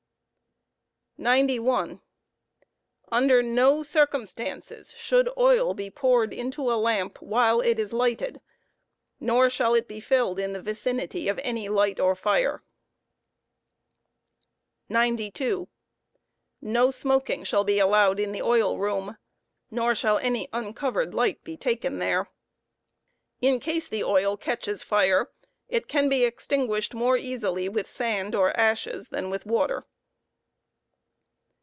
91. Under no circumstances shall oil be poured into the lamp while it is lighted, nor Jiall it be filled in the vicinity of any light or fire* 92. No smoking shall be allowed in the oil room, nor shall any uncovered light be ftken there. In case the oil catches fire, it can be extinguished more easily with sand ashes than with water.